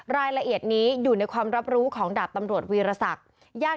รายละเอียดนี้อยู่ในความรับรู้ของดาบตำรวจวีรศักดิ์